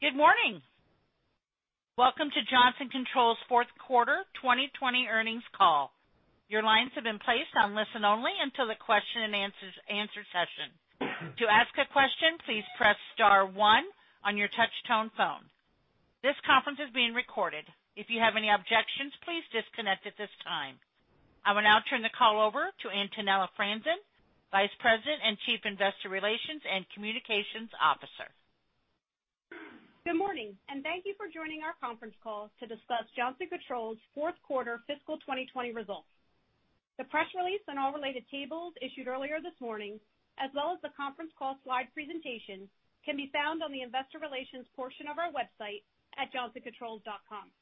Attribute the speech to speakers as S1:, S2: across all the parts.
S1: Good morning. Welcome to Johnson Controls' fourth quarter 2020 earnings call. I will now turn the call over to Antonella Franzen, Vice President and Chief Investor Relations and Communications Officer.
S2: Good morning, and thank you for joining our conference call to discuss Johnson Controls' fourth quarter fiscal 2020 results. The press release and all related tables issued earlier this morning, as well as the conference call slide presentation, can be found on the investor relations portion of our website at johnsoncontrols.com.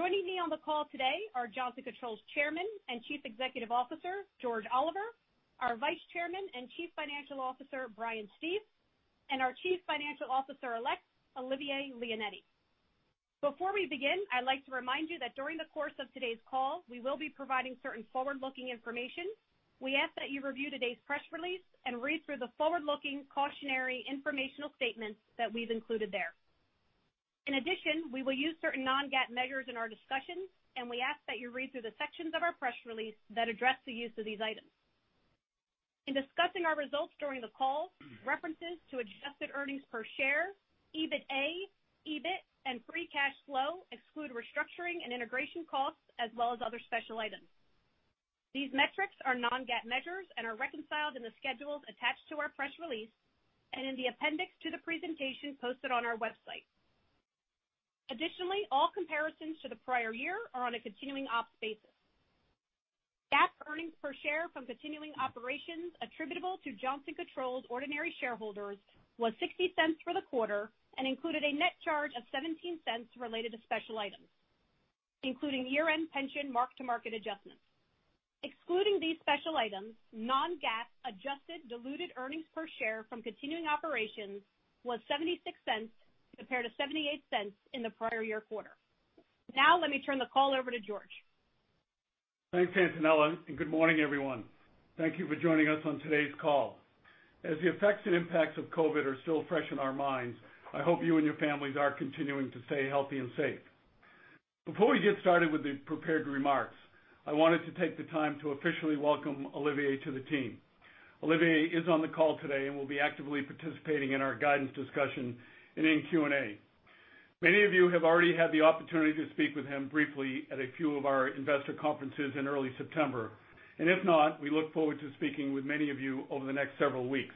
S2: Joining me on the call today are Johnson Controls Chairman and Chief Executive Officer, George Oliver, our Vice Chairman and Chief Financial Officer, Brian Stief, and our Chief Financial Officer Elect, Olivier Leonetti. Before we begin, I'd like to remind you that during the course of today's call, we will be providing certain forward-looking information. We ask that you review today's press release and read through the forward-looking cautionary informational statements that we've included there. In addition, we will use certain non-GAAP measures in our discussions, and we ask that you read through the sections of our press release that address the use of these items. In discussing our results during the call, references to adjusted earnings per share, EBITDA, EBIT, and free cash flow exclude restructuring and integration costs, as well as other special items. These metrics are non-GAAP measures and are reconciled in the schedules attached to our press release and in the appendix to the presentation posted on our website. Additionally, all comparisons to the prior year are on a continuing ops basis. GAAP earnings per share from continuing operations attributable to Johnson Controls' ordinary shareholders was $0.60 for the quarter and included a net charge of $0.17 related to special items, including year-end pension mark-to-market adjustments. Excluding these special items, non-GAAP adjusted diluted earnings per share from continuing operations was $0.76 compared to $0.78 in the prior year quarter. Now let me turn the call over to George.
S3: Thanks, Antonella. Good morning, everyone. Thank you for joining us on today's call. As the effects and impacts of COVID-19 are still fresh in our minds, I hope you and your families are continuing to stay healthy and safe. Before we get started with the prepared remarks, I wanted to take the time to officially welcome Olivier to the team. Olivier is on the call today and will be actively participating in our guidance discussion and in Q&A. Many of you have already had the opportunity to speak with him briefly at a few of our investor conferences in early September. If not, we look forward to speaking with many of you over the next several weeks.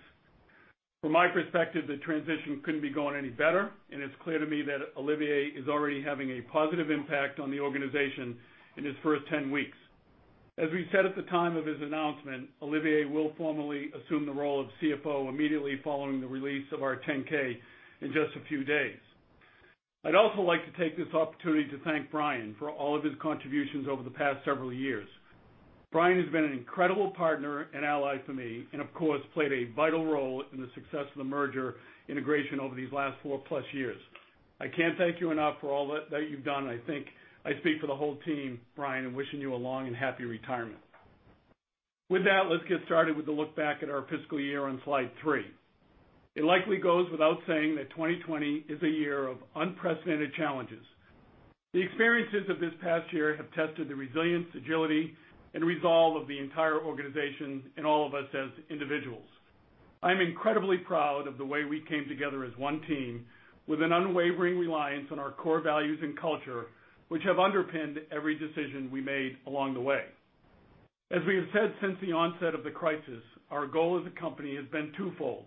S3: From my perspective, the transition couldn't be going any better. It's clear to me that Olivier is already having a positive impact on the organization in his first 10 weeks. As we said at the time of his announcement, Olivier will formally assume the role of CFO immediately following the release of our 10-K in just a few days. I'd also like to take this opportunity to thank Brian for all of his contributions over the past several years. Brian has been an incredible partner and ally to me, and of course, played a vital role in the success of the merger integration over these last four-plus years. I can't thank you enough for all that you've done. I think I speak for the whole team, Brian, in wishing you a long and happy retirement. With that, let's get started with a look back at our fiscal year on slide three. It likely goes without saying that 2020 is a year of unprecedented challenges. The experiences of this past year have tested the resilience, agility, and resolve of the entire organization and all of us as individuals. I'm incredibly proud of the way we came together as one team with an unwavering reliance on our core values and culture, which have underpinned every decision we made along the way. As we have said since the onset of the crisis, our goal as a company has been twofold.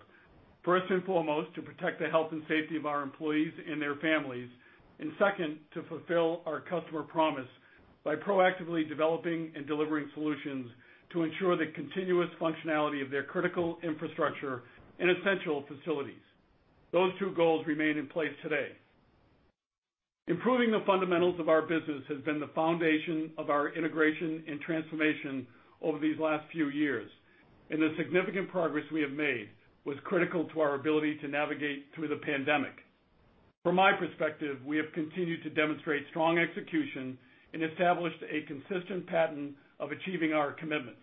S3: First and foremost, to protect the health and safety of our employees and their families. Second, to fulfill our customer promise by proactively developing and delivering solutions to ensure the continuous functionality of their critical infrastructure and essential facilities. Those two goals remain in place today. Improving the fundamentals of our business has been the foundation of our integration and transformation over these last few years, and the significant progress we have made was critical to our ability to navigate through the pandemic. From my perspective, we have continued to demonstrate strong execution and established a consistent pattern of achieving our commitments.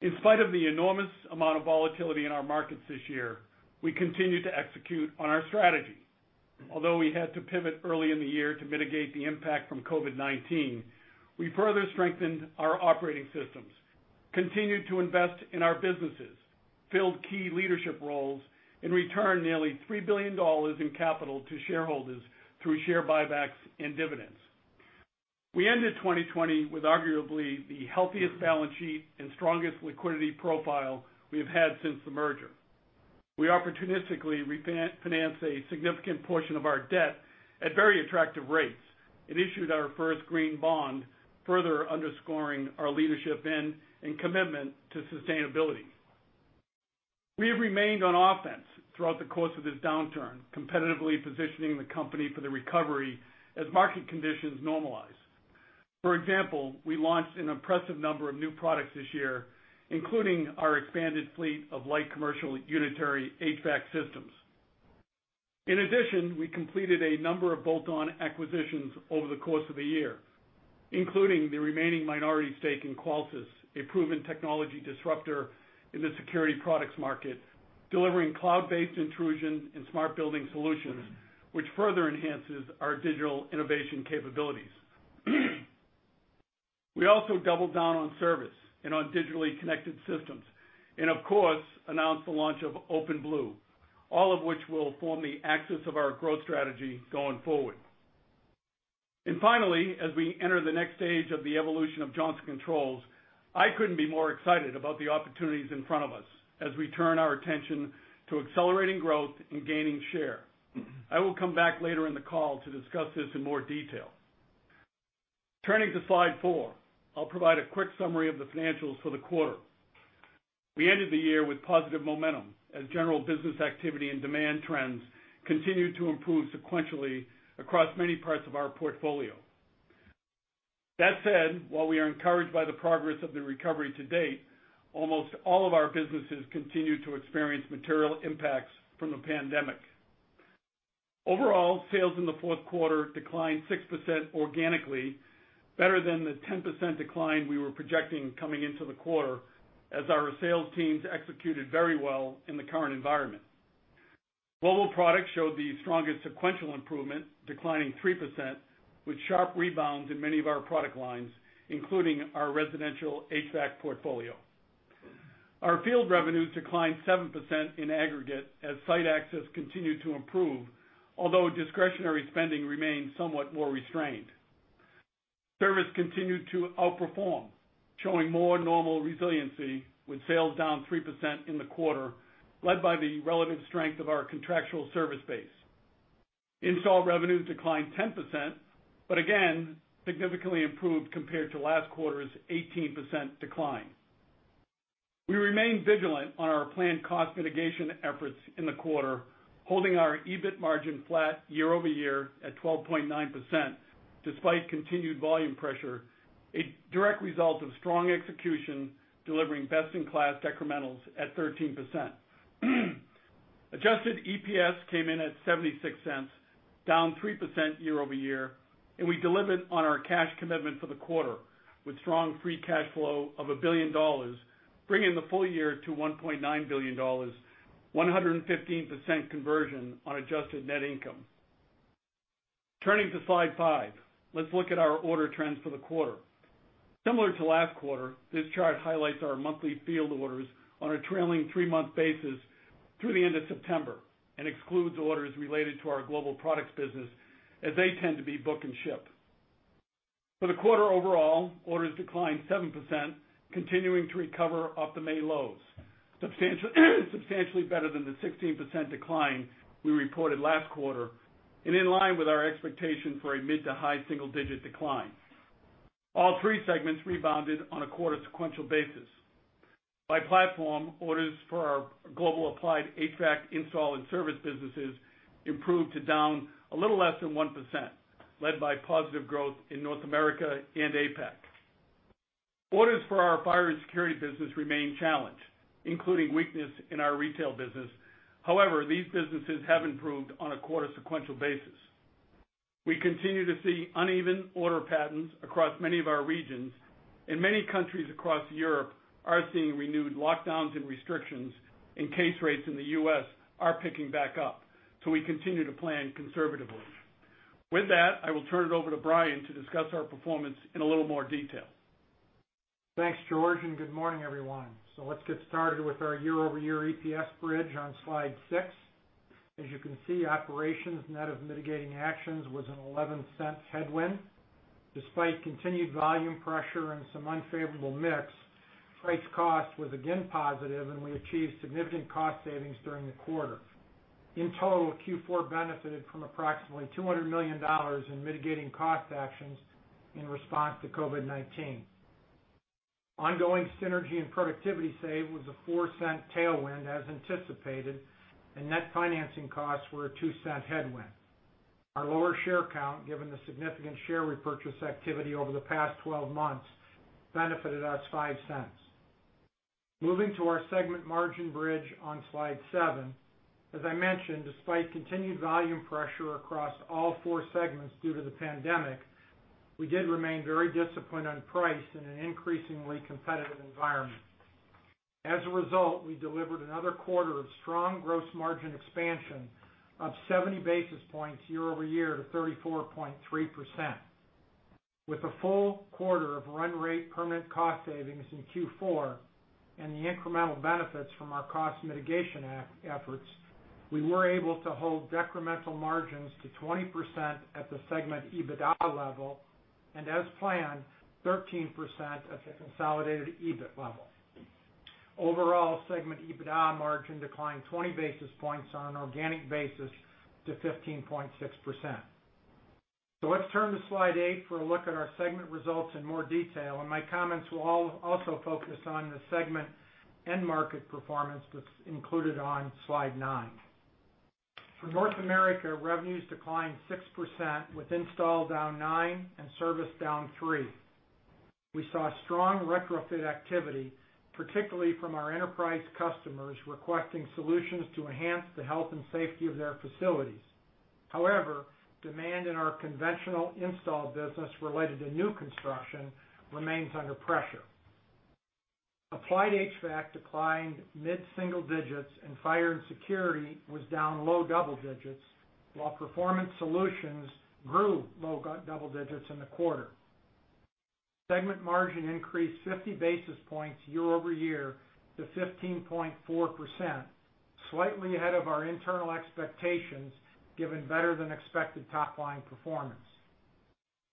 S3: In spite of the enormous amount of volatility in our markets this year, we continue to execute on our strategy. Although we had to pivot early in the year to mitigate the impact from COVID-19, we further strengthened our operating systems, continued to invest in our businesses, filled key leadership roles, and returned nearly $3 billion in capital to shareholders through share buybacks and dividends. We ended 2020 with arguably the healthiest balance sheet and strongest liquidity profile we have had since the merger. We opportunistically refinanced a significant portion of our debt at very attractive rates and issued our first green bond, further underscoring our leadership in and commitment to sustainability. We have remained on offense throughout the course of this downturn, competitively positioning the company for the recovery as market conditions normalize. For example, we launched an impressive number of new products this year, including our expanded fleet of light commercial unitary HVAC systems. In addition, we completed a number of bolt-on acquisitions over the course of the year including the remaining minority stake in Qolsys, a proven technology disruptor in the security products market, delivering cloud-based intrusion and smart building solutions, which further enhances our digital innovation capabilities. We also doubled down on service and on digitally connected systems, and of course, announced the launch of OpenBlue, all of which will form the axis of our growth strategy going forward. Finally, as we enter the next stage of the evolution of Johnson Controls, I couldn't be more excited about the opportunities in front of us as we turn our attention to accelerating growth and gaining share. I will come back later in the call to discuss this in more detail. Turning to slide four, I'll provide a quick summary of the financials for the quarter. We ended the year with positive momentum as general business activity and demand trends continued to improve sequentially across many parts of our portfolio. That said, while we are encouraged by the progress of the recovery to date, almost all of our businesses continue to experience material impacts from the pandemic. Overall, sales in the fourth quarter declined 6% organically, better than the 10% decline we were projecting coming into the quarter, as our sales teams executed very well in the current environment. Global products showed the strongest sequential improvement, declining 3%, with sharp rebounds in many of our product lines, including our residential HVAC portfolio. Our field revenues declined 7% in aggregate as site access continued to improve, although discretionary spending remained somewhat more restrained. Service continued to outperform, showing more normal resiliency, with sales down 3% in the quarter, led by the relative strength of our contractual service base. Again, significantly improved compared to last quarter's 18% decline. We remain vigilant on our planned cost mitigation efforts in the quarter, holding our EBIT margin flat year-over-year at 12.9% despite continued volume pressure, a direct result of strong execution delivering best-in-class decrementals at 13%. Adjusted EPS came in at $0.76, down 3% year-over-year. We delivered on our cash commitment for the quarter with strong free cash flow of $1 billion, bringing the full year to $1.9 billion, 115% conversion on adjusted net income. Turning to slide 5, let's look at our order trends for the quarter. Similar to last quarter, this chart highlights our monthly field orders on a trailing 3-month basis through the end of September and excludes orders related to our global products business as they tend to be book and ship. For the quarter overall, orders declined 7%, continuing to recover off the May lows, substantially better than the 16% decline we reported last quarter, in line with our expectation for a mid to high single-digit decline. All 3 segments rebounded on a quarter-sequential basis. By platform, orders for our global applied HVAC install and service businesses improved to down a little less than 1%, led by positive growth in North America and APAC. Orders for our fire and security business remain challenged, including weakness in our retail business. However, these businesses have improved on a quarter sequential basis. We continue to see uneven order patterns across many of our regions, and many countries across Europe are seeing renewed lockdowns and restrictions, and case rates in the U.S. are picking back up, so we continue to plan conservatively. With that, I will turn it over to Brian to discuss our performance in a little more detail.
S4: Thanks, George. Good morning, everyone. Let's get started with our year-over-year EPS bridge on slide six. As you can see, operations net of mitigating actions was a $0.11 headwind. Despite continued volume pressure and some unfavorable mix, price cost was again positive, and we achieved significant cost savings during the quarter. In total, Q4 benefited from approximately $200 million in mitigating cost actions in response to COVID-19. Ongoing synergy and productivity save was a $0.04 tailwind as anticipated, and net financing costs were a $0.02 headwind. Our lower share count, given the significant share repurchase activity over the past 12 months, benefited us $0.05. Moving to our segment margin bridge on slide seven. As I mentioned, despite continued volume pressure across all four segments due to the pandemic, we did remain very disciplined on price in an increasingly competitive environment. As a result, we delivered another quarter of strong gross margin expansion of 70 basis points year-over-year to 34.3%. With a full quarter of run rate permanent cost savings in Q4 and the incremental benefits from our cost mitigation efforts, we were able to hold decremental margins to 20% at the segment EBITDA level, and as planned, 13% at the consolidated EBIT level. Overall segment EBITDA margin declined 20 basis points on an organic basis to 15.6%. Let's turn to slide eight for a look at our segment results in more detail, and my comments will also focus on the segment end market performance that's included on slide nine. For North America, revenues declined 6% with install down 9 and service down 3. We saw strong retrofit activity, particularly from our enterprise customers requesting solutions to enhance the health and safety of their facilities. However, demand in our conventional install business related to new construction remains under pressure. Applied HVAC declined mid-single digits, and fire and security was down low double digits, while performance solutions grew low double digits in the quarter. Segment margin increased 50 basis points year-over-year to 15.4%, slightly ahead of our internal expectations, given better than expected top-line performance.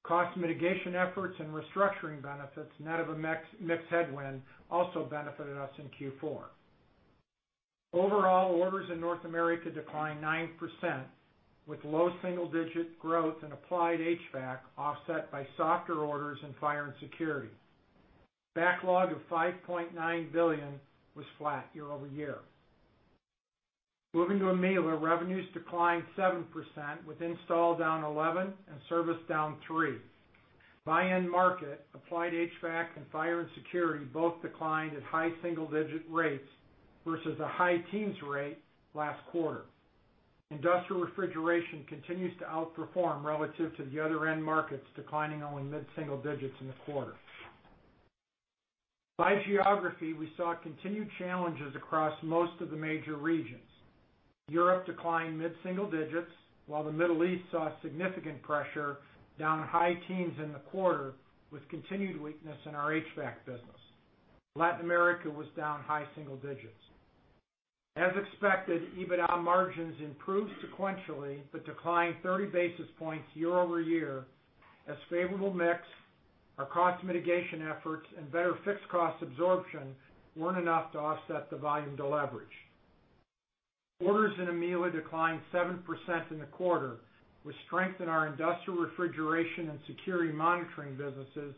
S4: Cost mitigation efforts and restructuring benefits, net of a mix headwind, also benefited us in Q4. Overall, orders in North America declined 9%, with low single-digit growth in applied HVAC offset by softer orders in fire and security. Backlog of $5.9 billion was flat year-over-year. Moving to EMEA, revenues declined 7%, with install down 11% and service down 3%. By end market, applied HVAC and fire and security both declined at high single-digit rates versus a high teens rate last quarter. Industrial refrigeration continues to outperform relative to the other end markets, declining only mid-single digits in the quarter. By geography, we saw continued challenges across most of the major regions. Europe declined mid-single digits, while the Middle East saw significant pressure, down high teens in the quarter, with continued weakness in our HVAC business. Latin America was down high single digits. As expected, EBITDA margins improved sequentially but declined 30 basis points year-over-year as favorable mix, our cost mitigation efforts, and better fixed cost absorption weren't enough to offset the volume deleverage. Orders in EMEA declined 7% in the quarter, with strength in our industrial refrigeration and security monitoring businesses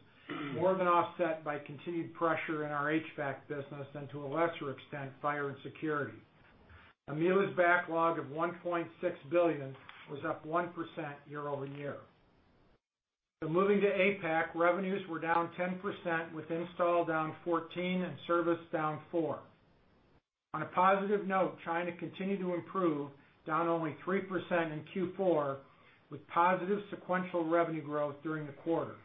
S4: more than offset by continued pressure in our HVAC business and, to a lesser extent, fire and security. EMEA's backlog of $1.6 billion was up 1% year-over-year. Moving to APAC, revenues were down 10%, with install down 14% and service down 4%. On a positive note, China continued to improve, down only 3% in Q4, with positive sequential revenue growth during the quarter.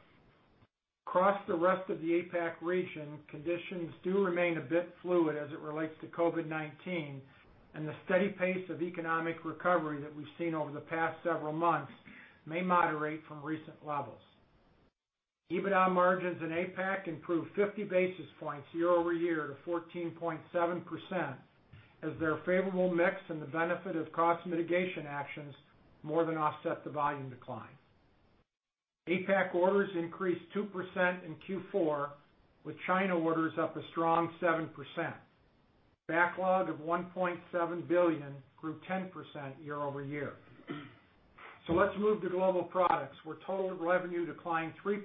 S4: Across the rest of the APAC region, conditions do remain a bit fluid as it relates to COVID-19, and the steady pace of economic recovery that we've seen over the past several months may moderate from recent levels. EBITDA margins in APAC improved 50 basis points year-over-year to 14.7% as their favorable mix and the benefit of cost mitigation actions more than offset the volume decline. APAC orders increased 2% in Q4, with China orders up a strong 7%. Backlog of $1.7 billion grew 10% year-over-year. Let's move to global products, where total revenue declined 3%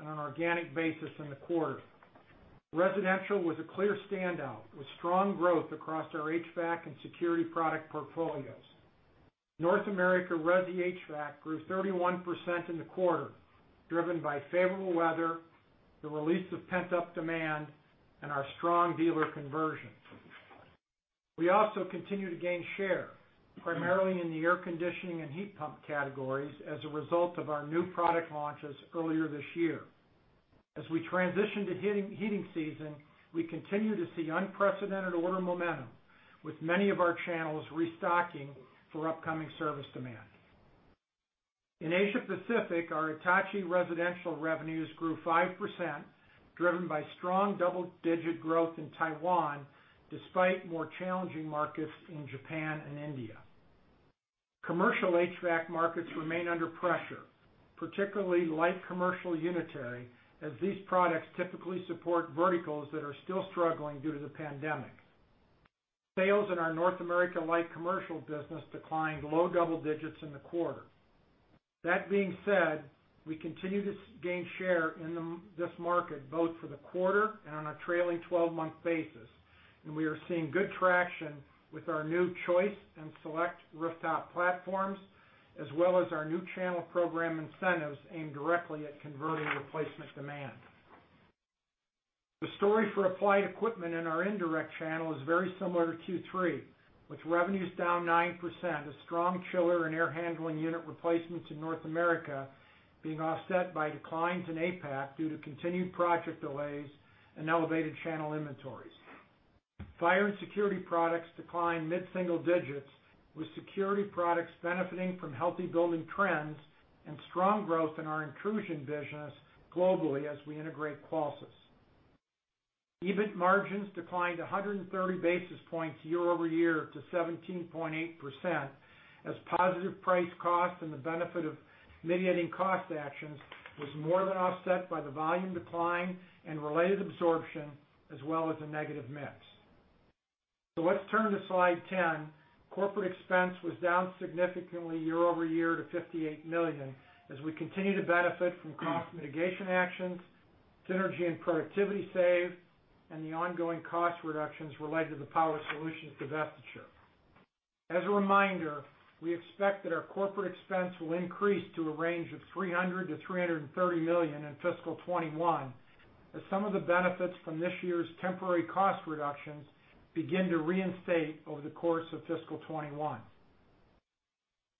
S4: on an organic basis in the quarter. Residential was a clear standout with strong growth across our HVAC and security product portfolios. North America res HVAC grew 31% in the quarter, driven by favorable weather, the release of pent-up demand, and our strong dealer conversions. We also continue to gain share, primarily in the air conditioning and heat pump categories as a result of our new product launches earlier this year. As we transition to heating season, we continue to see unprecedented order momentum, with many of our channels restocking for upcoming service demand. In Asia Pacific, our Hitachi residential revenues grew 5%, driven by strong double-digit growth in Taiwan, despite more challenging markets in Japan and India. Commercial HVAC markets remain under pressure, particularly light commercial unitary, as these products typically support verticals that are still struggling due to the pandemic. Sales in our North America light commercial business declined low double digits in the quarter. That being said, we continue to gain share in this market, both for the quarter and on a trailing 12-month basis, and we are seeing good traction with our new Choice and Select rooftop platforms, as well as our new channel program incentives aimed directly at converting replacement demand. The story for applied equipment in our indirect channel is very similar to Q3, with revenues down 9%, as strong chiller and air handling unit replacements in North America being offset by declines in APAC due to continued project delays and elevated channel inventories. Fire and security products declined mid-single digits, with security products benefiting from healthy building trends and strong growth in our intrusion business globally as we integrate Qolsys. EBIT margins declined 130 basis points year-over-year to 17.8%, as positive price cost and the benefit of mitigating cost actions was more than offset by the volume decline and related absorption, as well as a negative mix. Let's turn to slide 10. Corporate expense was down significantly year-over-year to $58 million as we continue to benefit from cost mitigation actions, synergy and productivity saves, and the ongoing cost reductions related to the Power Solutions divestiture. As a reminder, we expect that our corporate expense will increase to a range of $300 million-$330 million in fiscal 2021, as some of the benefits from this year's temporary cost reductions begin to reinstate over the course of fiscal 2021.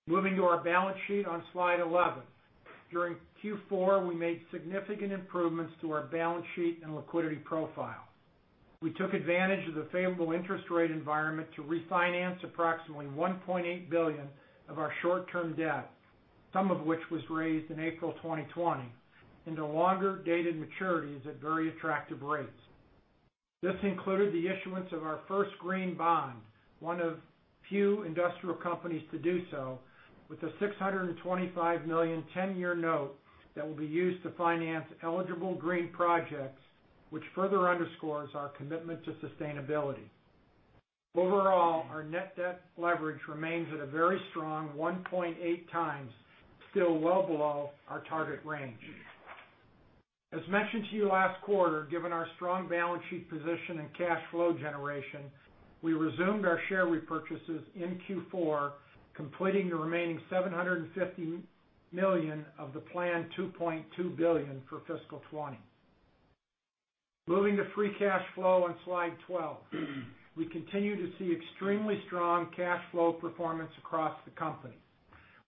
S4: Moving to our balance sheet on Slide 11. During Q4, we made significant improvements to our balance sheet and liquidity profile. We took advantage of the favorable interest rate environment to refinance approximately $1.8 billion of our short-term debt, some of which was raised in April 2020, into longer-dated maturities at very attractive rates. This included the issuance of our first green bond, one of few industrial companies to do so, with a $625 million 10-year note that will be used to finance eligible green projects, which further underscores our commitment to sustainability. Overall, our net debt leverage remains at a very strong 1.8 times, still well below our target range. As mentioned to you last quarter, given our strong balance sheet position and cash flow generation, we resumed our share repurchases in Q4, completing the remaining $750 million of the planned $2.2 billion for fiscal 2020. Moving to free cash flow on Slide 12. We continue to see extremely strong cash flow performance across the company.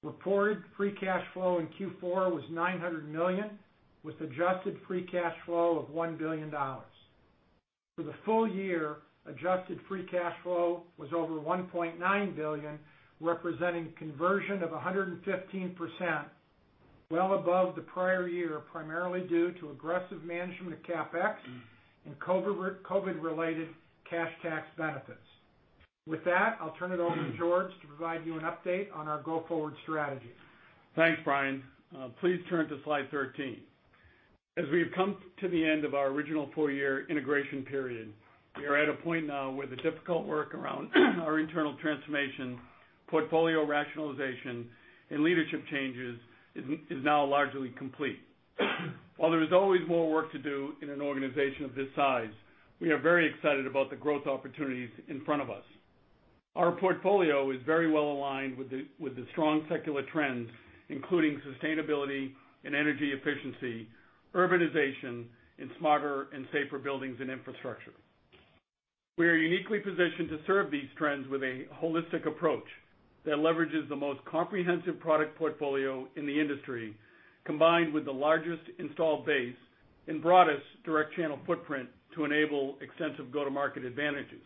S4: Reported free cash flow in Q4 was $900 million, with adjusted free cash flow of $1 billion. For the full year, adjusted free cash flow was over $1.9 billion, representing conversion of 115%, well above the prior year, primarily due to aggressive management of CapEx and COVID-related cash tax benefits. With that, I'll turn it over to George to provide you an update on our go-forward strategy.
S3: Thanks, Brian. Please turn to Slide 13. As we have come to the end of our original four-year integration period, we are at a point now where the difficult work around our internal transformation, portfolio rationalization, and leadership changes is now largely complete. While there is always more work to do in an organization of this size, we are very excited about the growth opportunities in front of us. Our portfolio is very well aligned with the strong secular trends, including sustainability and energy efficiency, urbanization, and smarter and safer buildings and infrastructure. We are uniquely positioned to serve these trends with a holistic approach that leverages the most comprehensive product portfolio in the industry, combined with the largest installed base and broadest direct channel footprint to enable extensive go-to-market advantages.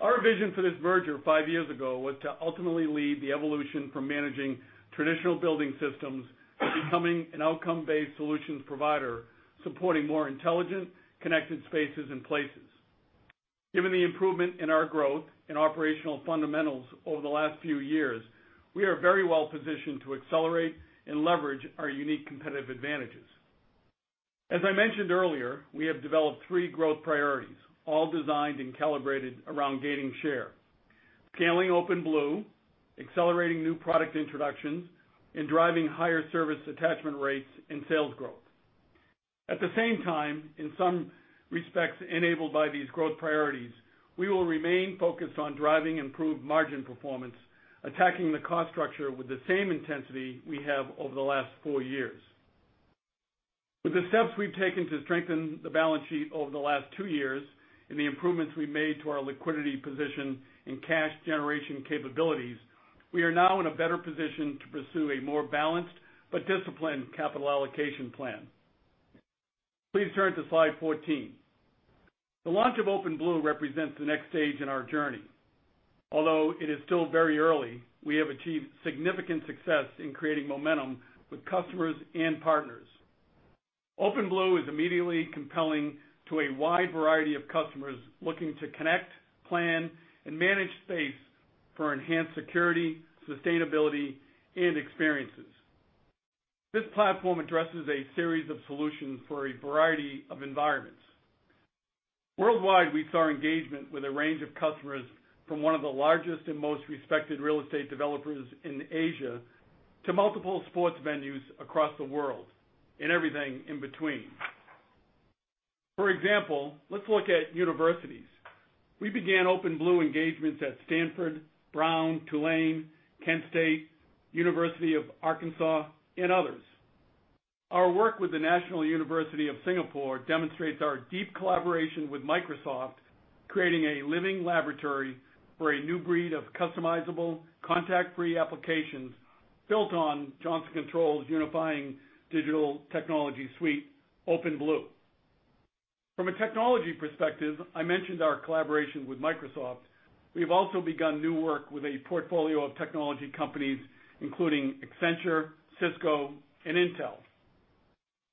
S3: Our vision for this merger five years ago was to ultimately lead the evolution from managing traditional building systems to becoming an outcome-based solutions provider, supporting more intelligent, connected spaces and places. Given the improvement in our growth and operational fundamentals over the last few years, we are very well positioned to accelerate and leverage our unique competitive advantages. As I mentioned earlier, we have developed three growth priorities, all designed and calibrated around gaining share: scaling OpenBlue, accelerating new product introductions, and driving higher service attachment rates and sales growth. At the same time, in some respects enabled by these growth priorities, we will remain focused on driving improved margin performance, attacking the cost structure with the same intensity we have over the last four years. With the steps we've taken to strengthen the balance sheet over the last two years and the improvements we've made to our liquidity position and cash generation capabilities, we are now in a better position to pursue a more balanced but disciplined capital allocation plan. Please turn to Slide 14. The launch of OpenBlue represents the next stage in our journey. Although it is still very early, we have achieved significant success in creating momentum with customers and partners. OpenBlue is immediately compelling to a wide variety of customers looking to connect, plan, and manage space for enhanced security, sustainability, and experiences. This platform addresses a series of solutions for a variety of environments. Worldwide, we saw engagement with a range of customers, from one of the largest and most respected real estate developers in Asia to multiple sports venues across the world, and everything in between. For example, let's look at universities. We began OpenBlue engagements at Stanford, Brown, Tulane, Kent State, University of Arkansas, and others. Our work with the National University of Singapore demonstrates our deep collaboration with Microsoft, creating a living laboratory for a new breed of customizable, contact-free applications built on Johnson Controls' unifying digital technology suite, OpenBlue. From a technology perspective, I mentioned our collaboration with Microsoft. We've also begun new work with a portfolio of technology companies including Accenture, Cisco, and Intel.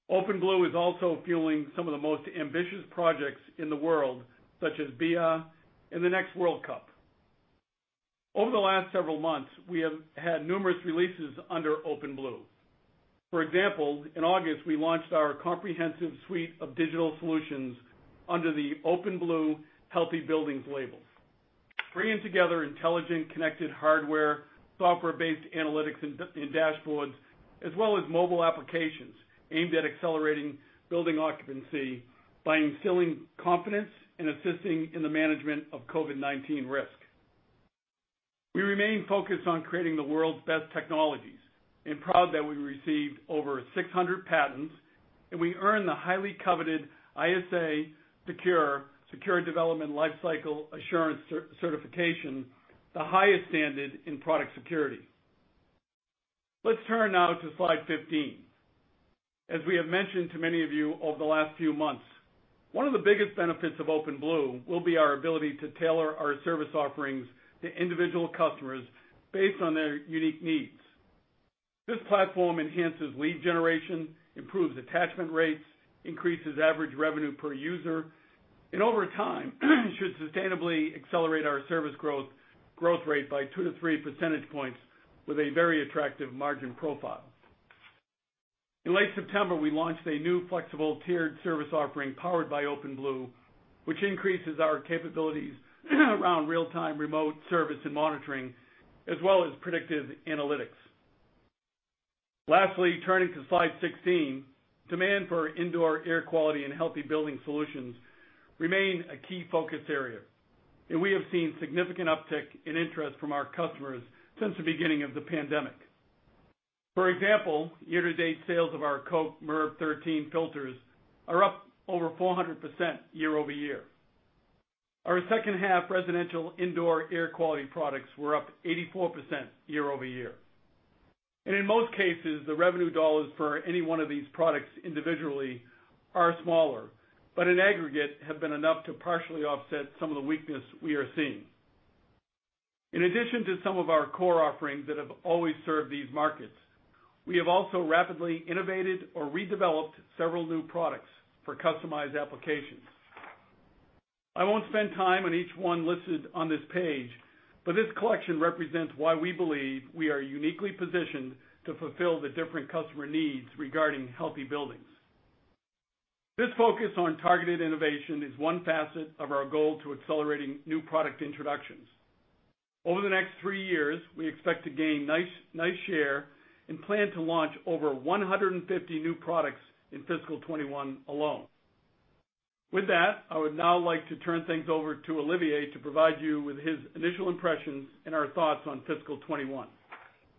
S3: OpenBlue is also fueling some of the most ambitious projects in the world, such as Bee'ah and the next World Cup. Over the last several months, we have had numerous releases under OpenBlue. For example, in August, we launched our comprehensive suite of digital solutions under the OpenBlue Healthy Buildings label, bringing together intelligent connected hardware, software-based analytics and dashboards, as well as mobile applications aimed at accelerating building occupancy by instilling confidence and assisting in the management of COVID-19 risk. We remain focused on creating the world's best technologies and proud that we received over 600 patents, and we earned the highly coveted ISASecure Secure Development Lifecycle Assurance certification, the highest standard in product security. Let's turn now to slide 15. As we have mentioned to many of you over the last few months, one of the biggest benefits of OpenBlue will be our ability to tailor our service offerings to individual customers based on their unique needs. This platform enhances lead generation, improves attachment rates, increases average revenue per user, and over time, should sustainably accelerate our service growth rate by 2-3 percentage points with a very attractive margin profile. In late September, we launched a new flexible tiered service offering powered by OpenBlue, which increases our capabilities around real-time remote service and monitoring, as well as predictive analytics. Lastly, turning to slide 16. Demand for indoor air quality and healthy building solutions remain a key focus area, and we have seen significant uptick in interest from our customers since the beginning of the pandemic. For example, year-to-date sales of our Koch MERV 13 filters are up over 400% year-over-year. Our second half residential indoor air quality products were up 84% year-over-year. In most cases, the revenue dollars for any one of these products individually are smaller, but in aggregate have been enough to partially offset some of the weakness we are seeing. In addition to some of our core offerings that have always served these markets, we have also rapidly innovated or redeveloped several new products for customized applications. I won't spend time on each one listed on this page, but this collection represents why we believe we are uniquely positioned to fulfill the different customer needs regarding healthy buildings. This focus on targeted innovation is one facet of our goal to accelerating new product introductions. Over the next three years, we expect to gain nice share and plan to launch over 150 new products in fiscal 2021 alone. With that, I would now like to turn things over to Olivier to provide you with his initial impressions and our thoughts on FY 2021.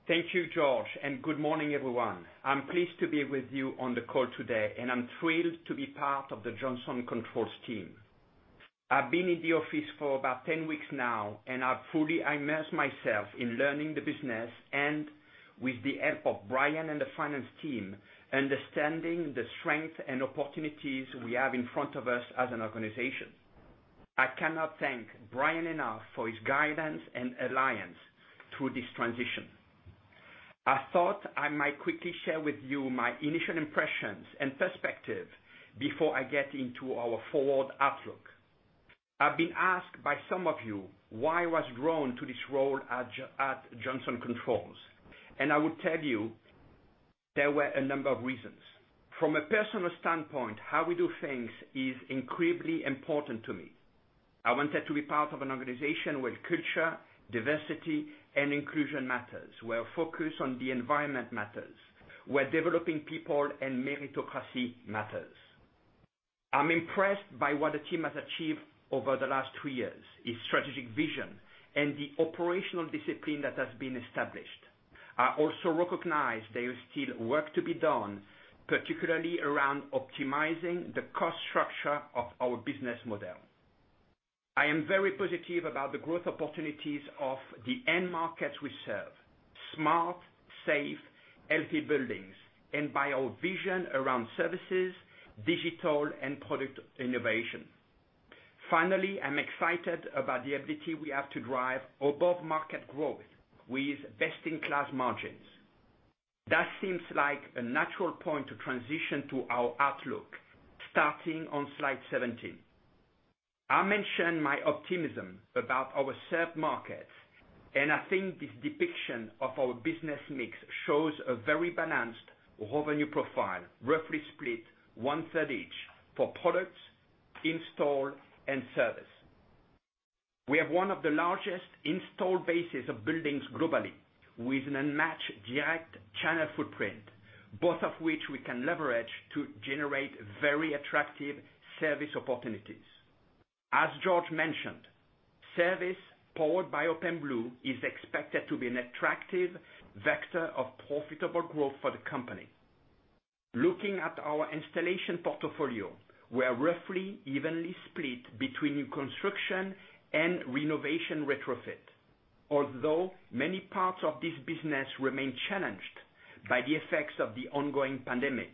S5: Thank you, George. Good morning, everyone. I'm pleased to be with you on the call today, and I'm thrilled to be part of the Johnson Controls team. I've been in the office for about 10 weeks now, and I've fully immersed myself in learning the business and, with the help of Brian and the finance team, understanding the strengths and opportunities we have in front of us as an organization. I cannot thank Brian enough for his guidance and alliance through this transition. I thought I might quickly share with you my initial impressions and perspective before I get into our forward outlook. I've been asked by some of you why I was drawn to this role at Johnson Controls, and I will tell you there were a number of reasons. From a personal standpoint, how we do things is incredibly important to me. I wanted to be part of an organization where culture, diversity, and inclusion matters, where focus on the environment matters, where developing people and meritocracy matters. I'm impressed by what the team has achieved over the last three years, its strategic vision, and the operational discipline that has been established. I also recognize there is still work to be done, particularly around optimizing the cost structure of our business model. I am very positive about the growth opportunities of the end markets we serve, smart, safe, healthy buildings, and by our vision around services, digital, and product innovation. Finally, I'm excited about the ability we have to drive above-market growth with best-in-class margins. That seems like a natural point to transition to our outlook, starting on slide 17. I mentioned my optimism about our served markets. I think this depiction of our business mix shows a very balanced revenue profile, roughly split one-third each for products, install, and service. We have one of the largest install bases of buildings globally, with an unmatched direct channel footprint, both of which we can leverage to generate very attractive service opportunities. As George mentioned, service powered by OpenBlue is expected to be an attractive vector of profitable growth for the company. Looking at our installation portfolio, we are roughly evenly split between new construction and renovation retrofit. Although many parts of this business remain challenged by the effects of the ongoing pandemic,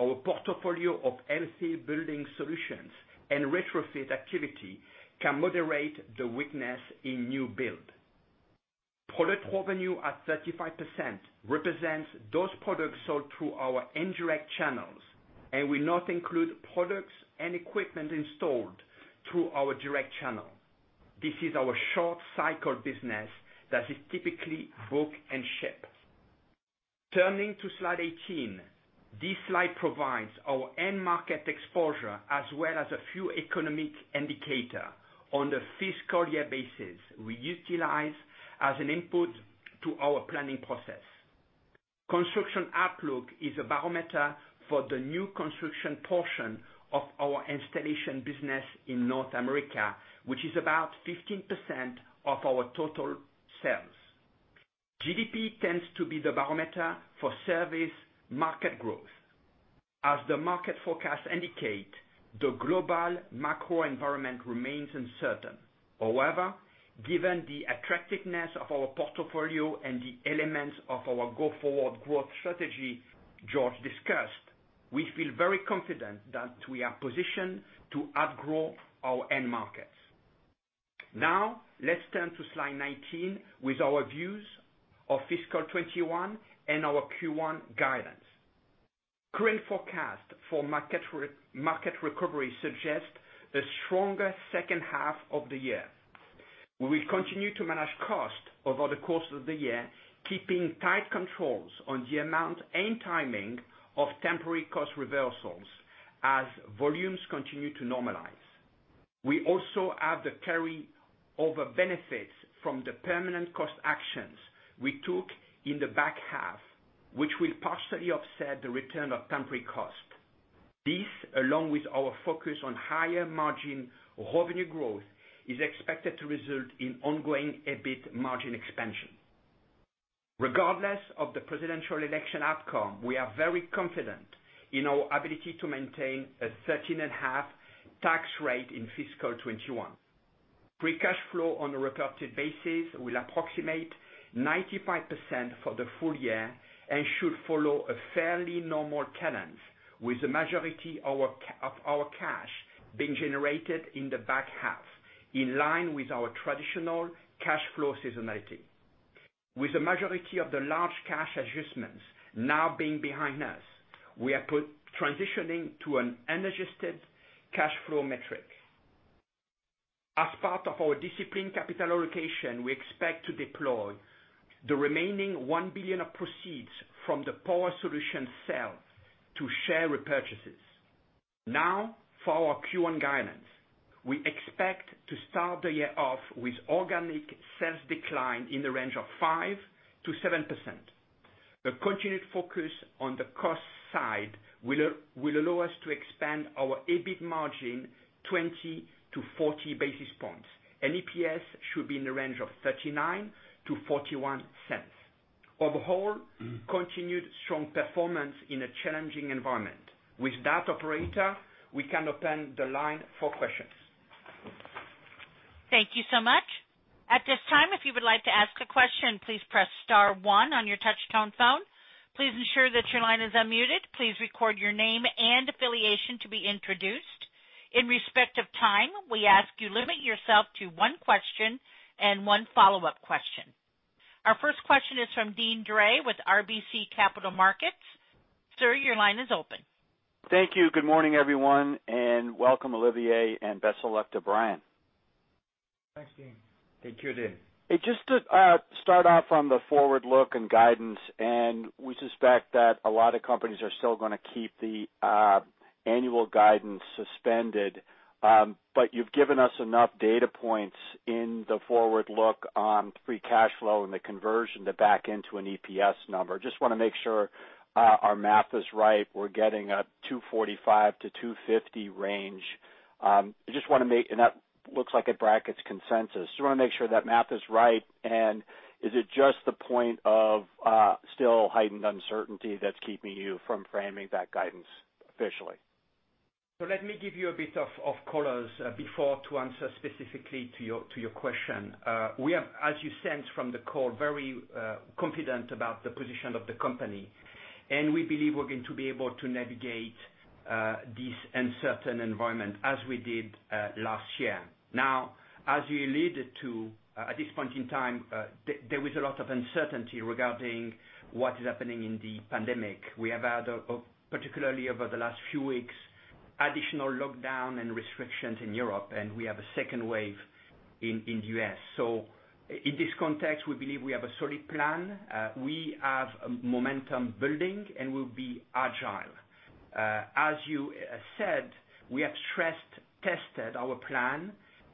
S5: our portfolio of healthy building solutions and retrofit activity can moderate the weakness in new build. Product revenue at 35% represents those products sold through our indirect channels and will not include products and equipment installed through our direct channel. This is our short-cycle business that is typically book and ship. Turning to slide 18. This slide provides our end market exposure as well as a few economic indicator on the fiscal year basis we utilize as an input to our planning process. Construction outlook is a barometer for the new construction portion of our installation business in North America, which is about 15% of our total sales. GDP tends to be the barometer for service market growth. As the market forecast indicate, the global macro environment remains uncertain. However, given the attractiveness of our portfolio and the elements of our go-forward growth strategy George discussed, we feel very confident that we are positioned to outgrow our end markets. Let's turn to slide 19 with our views of fiscal 2021 and our Q1 guidance. Current forecast for market recovery suggests a stronger second half of the year. We will continue to manage cost over the course of the year, keeping tight controls on the amount and timing of temporary cost reversals as volumes continue to normalize. We also have the carryover benefits from the permanent cost actions we took in the back half, which will partially offset the return of temporary cost. This, along with our focus on higher margin revenue growth, is expected to result in ongoing EBIT margin expansion. Regardless of the presidential election outcome, we are very confident in our ability to maintain a 13.5% tax rate in fiscal 2021. Free cash flow on a reported basis will approximate 95% for the full year and should follow a fairly normal cadence, with the majority of our cash being generated in the back half, in line with our traditional cash flow seasonality. With the majority of the large cash adjustments now being behind us, we are transitioning to an unadjusted cash flow metric. As part of our disciplined capital allocation, we expect to deploy the remaining $1 billion of proceeds from the Power Solutions sale to share repurchases. Now, for our Q1 guidance. We expect to start the year off with organic sales decline in the range of 5%-7%. The continued focus on the cost side will allow us to expand our EBIT margin 20-40 basis points, and EPS should be in the range of $0.39-$0.41. Overall, continued strong performance in a challenging environment. With that, operator, we can open the line for questions.
S1: Thank you so much. At this time, if you would like to ask a question, please press star 1 on your touch-tone phone. Please ensure that your line is unmuted. Please record your name and affiliation to be introduced. In respect of time, we ask you limit yourself to one question and one follow-up question. Our first question is from Deane Dray with RBC Capital Markets. Sir, your line is open.
S6: Thank you. Good morning, everyone, and welcome, Olivier, and best of luck to Brian.
S5: Thanks, Deane.
S4: Thank you, Deane.
S6: Just to start off on the forward look and guidance, we suspect that a lot of companies are still gonna keep the annual guidance suspended. You've given us enough data points in the forward look on free cash flow and the conversion to back into an EPS number. Just want to make sure our math is right. We're getting a $2.45-$2.50 range. That looks like it brackets consensus. Just want to make sure that math is right, and is it just the point of still heightened uncertainty that's keeping you from framing that guidance officially?
S5: Let me give you a bit of colors before to answer specifically to your question. We are, as you sense from the call, very confident about the position of the company, and we believe we're going to be able to navigate this uncertain environment as we did last year. As you lead to, at this point in time, there is a lot of uncertainty regarding what is happening in the pandemic. We have had, particularly over the last few weeks, additional lockdown and restrictions in Europe, and we have a second wave in the U.S. In this context, we believe we have a solid plan. We have momentum building and we'll be agile. As you said, we have stress tested our plan.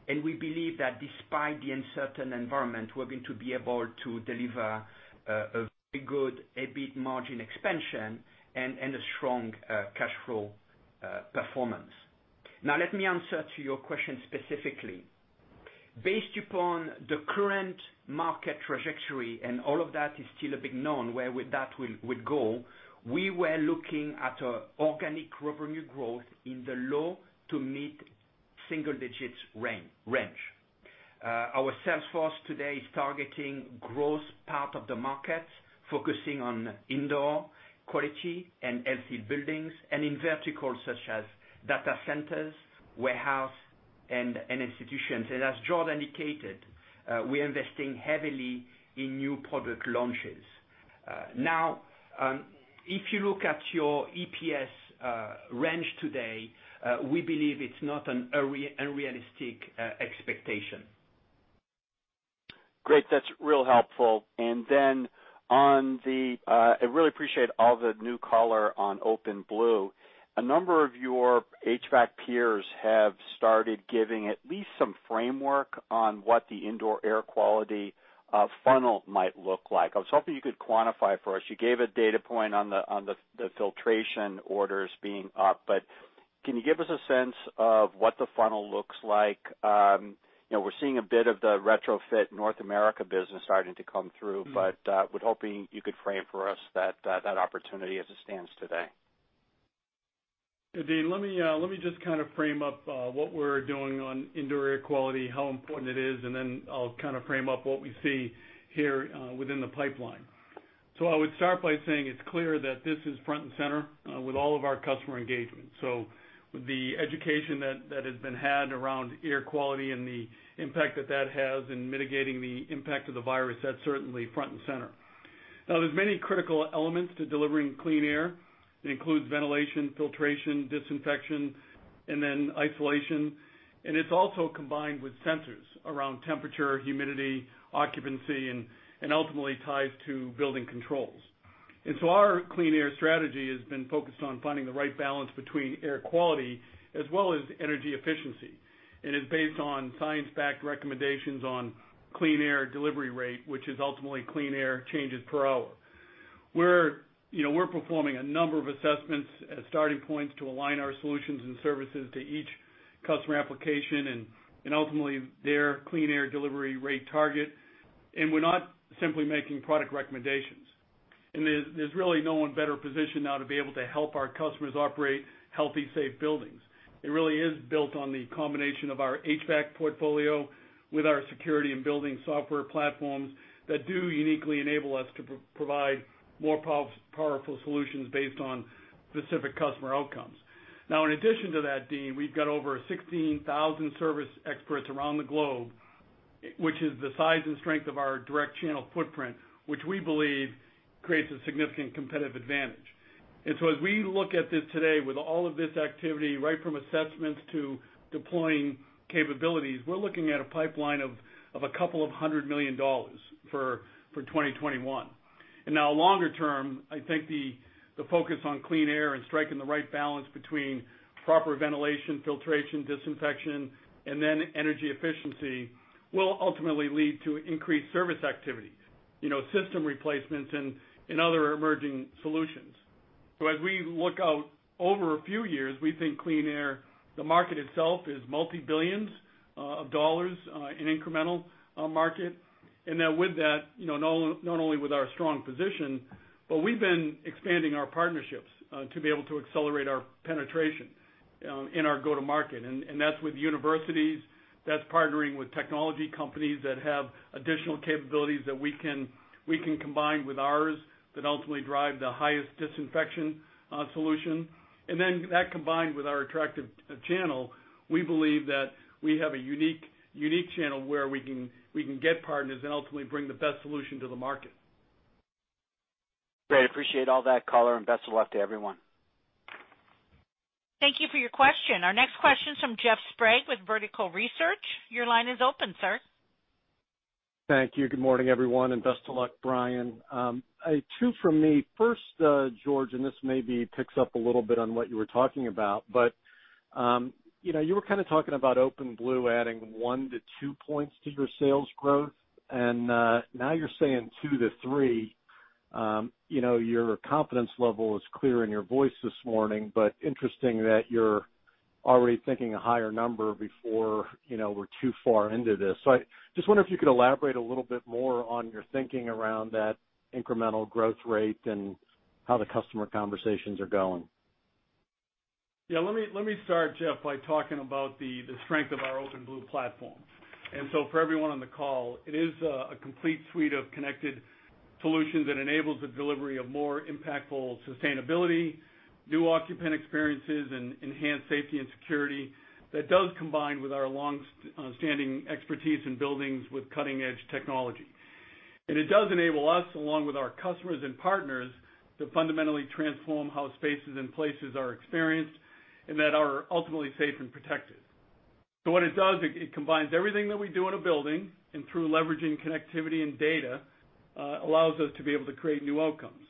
S5: We believe that despite the uncertain environment, we're going to be able to deliver a very good EBIT margin expansion and a strong cash flow performance. Let me answer to your question specifically. Based upon the current market trajectory, all of that is still a big unknown where that will go, we were looking at organic revenue growth in the low to mid single digits range. Our sales force today is targeting growth part of the market, focusing on indoor air quality and healthy buildings, in verticals such as data centers, warehouse, and institutions. As George indicated, we are investing heavily in new product launches. If you look at your EPS range today, we believe it's not an unrealistic expectation.
S6: Great. That's real helpful. I really appreciate all the new color on OpenBlue. A number of your HVAC peers have started giving at least some framework on what the indoor air quality funnel might look like. I was hoping you could quantify for us. You gave a data point on the filtration orders being up, can you give us a sense of what the funnel looks like? We're seeing a bit of the retrofit North America business starting to come through, was hoping you could frame for us that opportunity as it stands today.
S3: Deane, let me just kind of frame up what we're doing on indoor air quality, how important it is, and then I'll kind of frame up what we see here within the pipeline. I would start by saying it's clear that this is front and center with all of our customer engagement. With the education that has been had around air quality and the impact that that has in mitigating the impact of the virus, that's certainly front and center. There's many critical elements to delivering clean air. It includes ventilation, filtration, disinfection, and then isolation. It's also combined with sensors around temperature, humidity, occupancy, and ultimately ties to building controls. Our clean air strategy has been focused on finding the right balance between air quality as well as energy efficiency, and is based on science-backed recommendations on clean air delivery rate, which is ultimately clean air changes per hour. We're performing a number of assessments as starting points to align our solutions and services to each customer application and ultimately their clean air delivery rate target. We're not simply making product recommendations. There's really no one better positioned now to be able to help our customers operate healthy, safe buildings. It really is built on the combination of our HVAC portfolio with our security and building software platforms that do uniquely enable us to provide more powerful solutions based on specific customer outcomes. In addition to that, Deane, we've got over 16,000 service experts around the globe, which is the size and strength of our direct channel footprint, which we believe creates a significant competitive advantage. As we look at this today with all of this activity, right from assessments to deploying capabilities, we're looking at a pipeline of $200 million for 2021. Longer term, I think the focus on clean air and striking the right balance between proper ventilation, filtration, disinfection, and then energy efficiency, will ultimately lead to increased service activities, system replacements, and other emerging solutions. As we look out over a few years, we think clean air, the market itself, is multi-billions of dollars in incremental market. That with that, not only with our strong position, but we've been expanding our partnerships to be able to accelerate our penetration in our go-to market. That's with universities, that's partnering with technology companies that have additional capabilities that we can combine with ours that ultimately drive the highest disinfection solution. Then that combined with our attractive channel, we believe that we have a unique channel where we can get partners and ultimately bring the best solution to the market.
S6: Great. Appreciate all that color and best of luck to everyone.
S1: Thank you for your question. Our next question is from Jeff Sprague with Vertical Research. Your line is open, sir.
S7: Thank you. Good morning, everyone, and best of luck, Brian. Two from me. First, George, this maybe picks up a little bit on what you were talking about, you were kind of talking about OpenBlue adding one to two points to your sales growth, and now you're saying two to three. Your confidence level is clear in your voice this morning, interesting that you're already thinking a higher number before we're too far into this. I just wonder if you could elaborate a little bit more on your thinking around that incremental growth rate and how the customer conversations are going.
S3: Yeah. Let me start, Jeff, by talking about the strength of our OpenBlue platform. For everyone on the call, it is a complete suite of connected solutions that enables the delivery of more impactful sustainability, new occupant experiences, and enhanced safety and security that does combine with our longstanding expertise in buildings with cutting-edge technology. It does enable us, along with our customers and partners, to fundamentally transform how spaces and places are experienced and that are ultimately safe and protected. What it does, it combines everything that we do in a building, and through leveraging connectivity and data, allows us to be able to create new outcomes.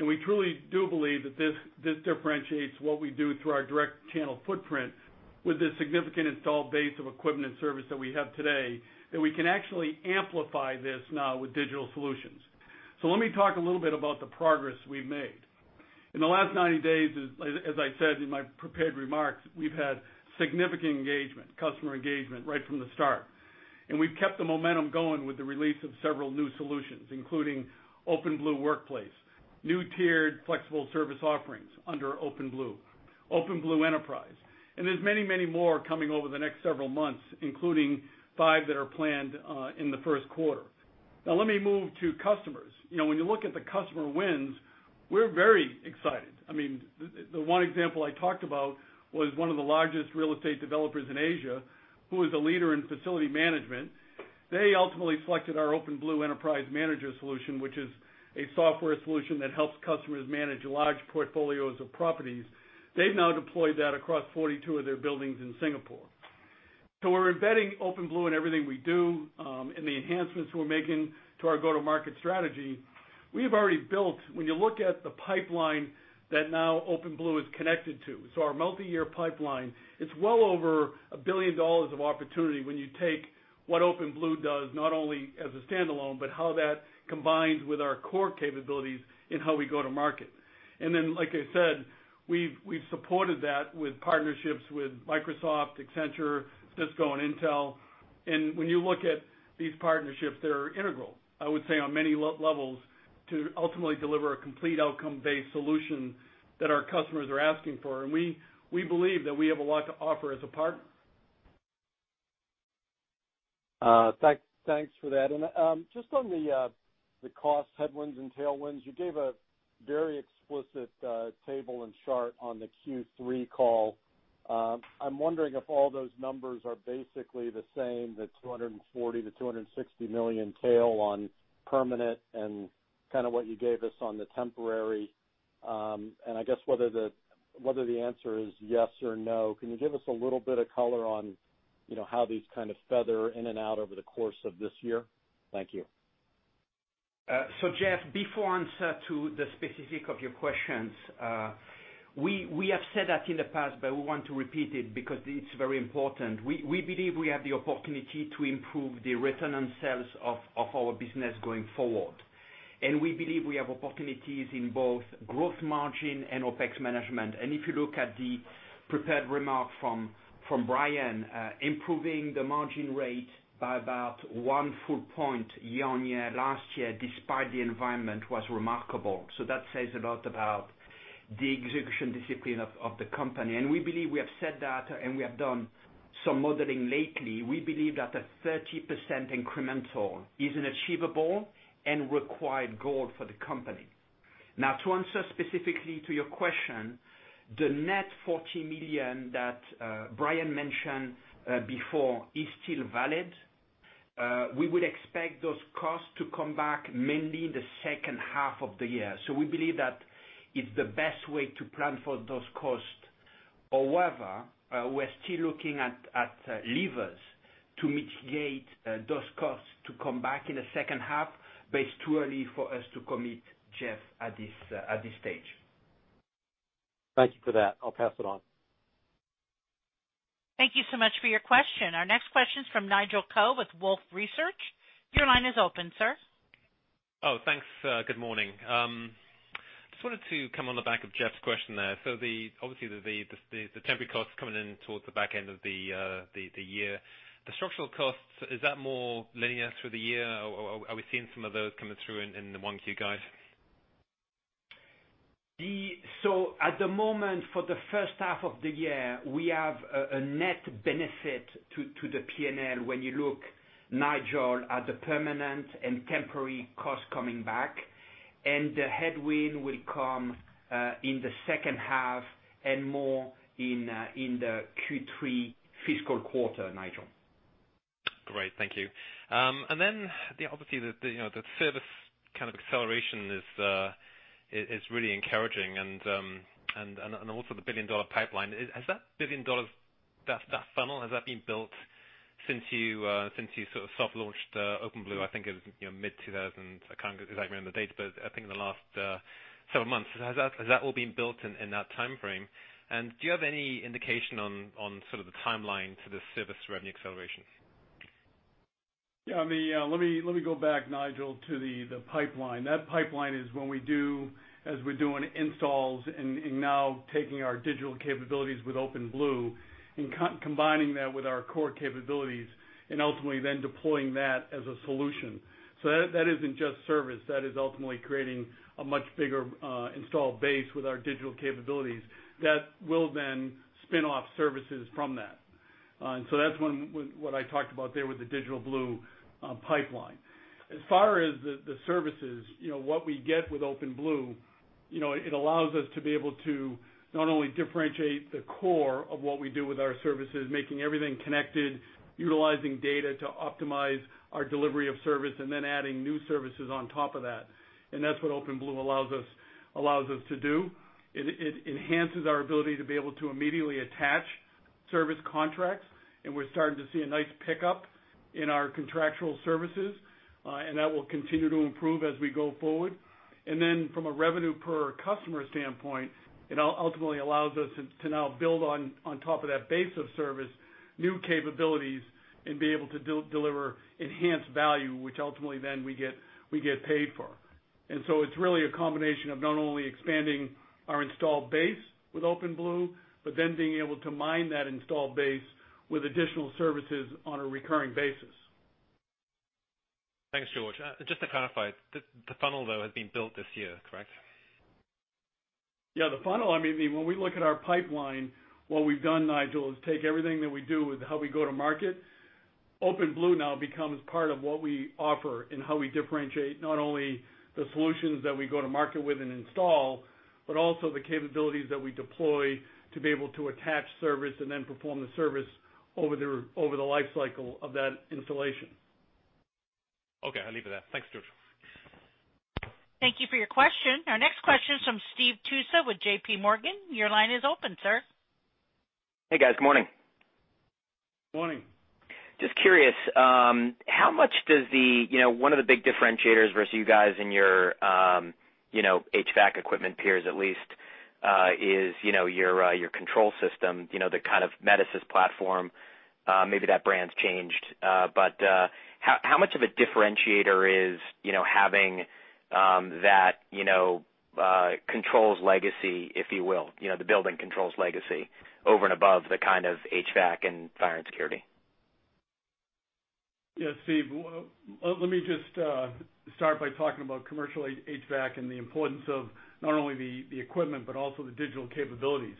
S3: We truly do believe that this differentiates what we do through our direct channel footprint with the significant installed base of equipment and service that we have today, that we can actually amplify this now with digital solutions. Let me talk a little bit about the progress we've made. In the last 90 days, as I said in my prepared remarks, we've had significant engagement, customer engagement, right from the start. We've kept the momentum going with the release of several new solutions, including OpenBlue Workplace, new tiered flexible service offerings under OpenBlue Enterprise. There's many, many more coming over the next several months, including five that are planned in the first quarter. Now let me move to customers. When you look at the customer wins, we're very excited. The one example I talked about was one of the largest real estate developers in Asia, who is a leader in facility management. They ultimately selected our OpenBlue Enterprise Manager solution, which is a software solution that helps customers manage large portfolios of properties. They've now deployed that across 42 of their buildings in Singapore. We're embedding OpenBlue in everything we do, in the enhancements we're making to our go-to-market strategy. We have already built, when you look at the pipeline that now OpenBlue is connected to, so our multi-year pipeline, it's well over $1 billion of opportunity when you take what OpenBlue does, not only as a standalone, but how that combines with our core capabilities in how we go to market. Then, like I said, we've supported that with partnerships with Microsoft, Accenture, Cisco, and Intel. When you look at these partnerships, they're integral, I would say, on many levels to ultimately deliver a complete outcome-based solution that our customers are asking for. We believe that we have a lot to offer as a partner.
S7: Just on the cost headwinds and tailwinds, you gave a very explicit table and chart on the Q3 call. I'm wondering if all those numbers are basically the same, the $240 million-$260 million tail on permanent and kind of what you gave us on the temporary. I guess whether the answer is yes or no, can you give us a little bit of color on how these kind of feather in and out over the course of this year? Thank you.
S5: Jeff, before answer to the specific of your questions, we have said that in the past, but we want to repeat it because it's very important. We believe we have the opportunity to improve the return on sales of our business going forward. We believe we have opportunities in both gross margin and OPEX management. If you look at the prepared remark from Brian, improving the margin rate by about one full point year-on-year, last year, despite the environment, was remarkable. That says a lot about the execution discipline of the company. We believe we have said that, and we have done some modeling lately. We believe that a 30% incremental is an achievable and required goal for the company. To answer specifically to your question, the net $40 million that Brian mentioned before is still valid. We would expect those costs to come back mainly the second half of the year. We believe that it's the best way to plan for those costs. However, we're still looking at levers to mitigate those costs to come back in the second half, but it's too early for us to commit, Jeff, at this stage.
S7: Thank you for that. I'll pass it on.
S1: Thank you so much for your question. Our next question is from Nigel Coe with Wolfe Research. Your line is open, sir.
S8: Oh, thanks. Good morning. Just wanted to come on the back of Jeff's question there. Obviously, the temporary costs coming in towards the back end of the year. The structural costs, is that more linear through the year, or are we seeing some of those coming through in the 1Q guys?
S5: At the moment, for the first half of the year, we have a net benefit to the P&L when you look, Nigel, at the permanent and temporary costs coming back, and the headwind will come in the second half and more in the Q3 fiscal quarter, Nigel.
S8: Great. Thank you. Obviously, the service kind of acceleration is really encouraging and also the billion-dollar pipeline. Has that $1 billion, that funnel, has that been built since you sort of soft launched OpenBlue, I think it was mid-2020, I can't exactly remember the dates, but I think in the last several months. Has that all been built in that timeframe? Do you have any indication on sort of the timeline to the service revenue accelerations?
S3: Yeah, let me go back, Nigel, to the pipeline. That pipeline is when we do as we're doing installs and now taking our digital capabilities with OpenBlue and combining that with our core capabilities, ultimately deploying that as a solution. That isn't just service. That is ultimately creating a much bigger install base with our digital capabilities that will spin off services from that. That's what I talked about there with the OpenBlue pipeline. As far as the services, what we get with OpenBlue, it allows us to be able to not only differentiate the core of what we do with our services, making everything connected, utilizing data to optimize our delivery of service, adding new services on top of that. That's what OpenBlue allows us to do. It enhances our ability to be able to immediately attach service contracts, and we're starting to see a nice pickup in our contractual services, and that will continue to improve as we go forward. From a revenue per customer standpoint, it ultimately allows us to now build on top of that base of service, new capabilities, and be able to deliver enhanced value, which ultimately then we get paid for. It's really a combination of not only expanding our installed base with OpenBlue, but then being able to mine that installed base with additional services on a recurring basis.
S8: Thanks, George. Just to clarify, the funnel, though, has been built this year, correct?
S3: Yeah, the funnel, when we look at our pipeline, what we've done, Nigel, is take everything that we do with how we go to market. OpenBlue now becomes part of what we offer and how we differentiate not only the solutions that we go to market with and install, but also the capabilities that we deploy to be able to attach service and then perform the service over the life cycle of that installation.
S8: Okay, I'll leave it there. Thanks, George.
S1: Thank you for your question. Our next question is from Steve Tusa with JPMorgan. Your line is open, sir.
S9: Hey, guys. Good morning.
S3: Morning.
S9: Just curious, one of the big differentiators versus you guys in your HVAC equipment peers at least, is your control system, the kind of Metasys platform. Maybe that brand's changed. How much of a differentiator is having that controls legacy, if you will, the building controls legacy over and above the kind of HVAC and fire and security?
S3: Steve, let me just start by talking about commercial HVAC and the importance of not only the equipment but also the digital capabilities.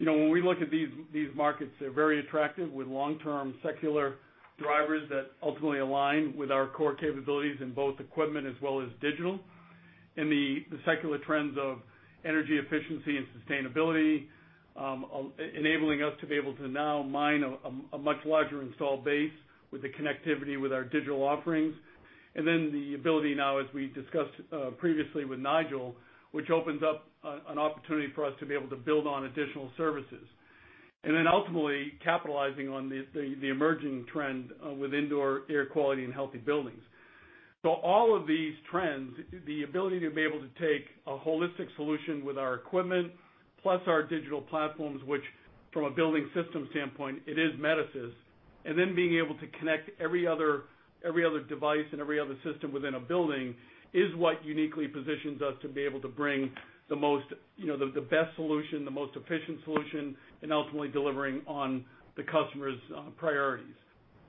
S3: When we look at these markets, they're very attractive with long-term secular drivers that ultimately align with our core capabilities in both equipment as well as digital. The secular trends of energy efficiency and sustainability, enabling us to be able to now mine a much larger install base with the connectivity with our digital offerings. The ability now, as we discussed previously with Nigel, which opens up an opportunity for us to be able to build on additional services. Ultimately capitalizing on the emerging trend with indoor air quality and healthy buildings. All of these trends, the ability to be able to take a holistic solution with our equipment plus our digital platforms, which from a building system standpoint, it is Metasys. Then being able to connect every other device and every other system within a building is what uniquely positions us to be able to bring the best solution, the most efficient solution, and ultimately delivering on the customer's priorities.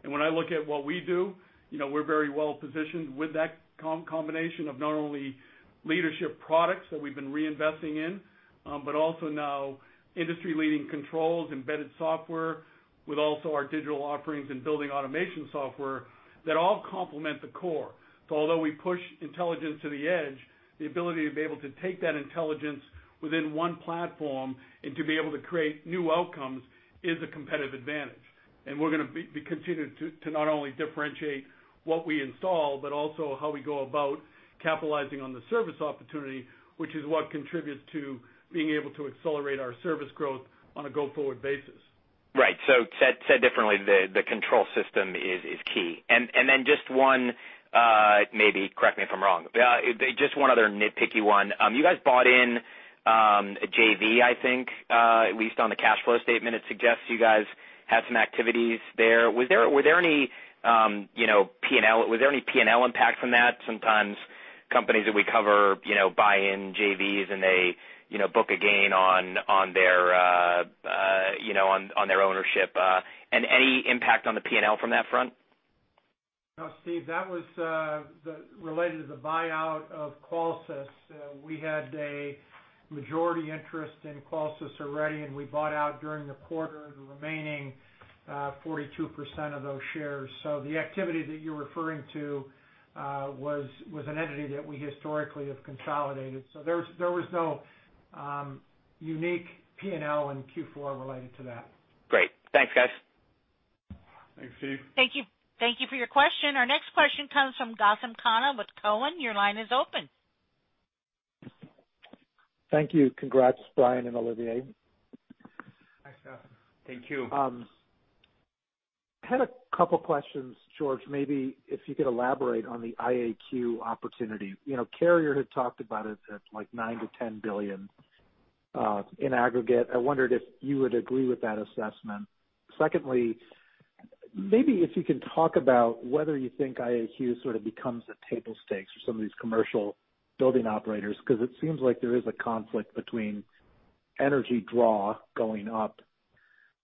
S3: When I look at what we do, we're very well positioned with that combination of not only leadership products that we've been reinvesting in, but also now industry-leading controls, embedded software, with also our digital offerings and building automation software that all complement the core. Although we push intelligence to the edge, the ability to be able to take that intelligence within one platform and to be able to create new outcomes is a competitive advantage. We're going to be continued to not only differentiate what we install, but also how we go about capitalizing on the service opportunity, which is what contributes to being able to accelerate our service growth on a go-forward basis.
S9: Right. Said differently, the control system is key. Then just one, maybe, correct me if I'm wrong. Just one other nitpicky one. You guys bought in a JV, I think, at least on the cash flow statement, it suggests you guys had some activities there. Was there any P&L impact from that? Sometimes companies that we cover buy in JVs, and they book a gain on their ownership. Any impact on the P&L from that front?
S4: No, Steve, that was related to the buyout of Qolsys. We had a majority interest in Qolsys already, and we bought out during the quarter the remaining 42% of those shares. The activity that you're referring to was an entity that we historically have consolidated. There was no unique P&L in Q4 related to that.
S9: Great. Thanks, guys.
S3: Thanks, Steve.
S1: Thank you for your question. Our next question comes from Gautam Khanna with Cowen. Your line is open.
S10: Thank you. Congrats, Brian and Olivier.
S3: Hi Gautam.
S5: Thank you.
S10: I had a couple questions, George, maybe if you could elaborate on the IAQ opportunity. Carrier had talked about it at, like, $9 billion-$10 billion in aggregate. I wondered if you would agree with that assessment. Secondly, maybe if you can talk about whether you think IAQ sort of becomes a table stakes for some of these commercial building operators, because it seems like there is a conflict between energy draw going up,